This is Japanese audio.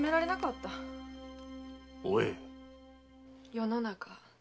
世の中